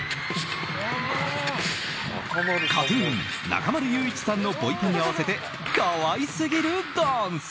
ＫＡＴ‐ＴＵＮ、中丸雄一さんのボイパに合わせて可愛すぎるダンス。